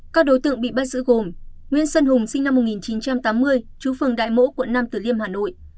các đối tượng bị bắt giữ gồm nguyễn sơn hùng sinh năm một nghìn chín trăm tám mươi chú phường đại mỗ quận năm từ liêm hà nội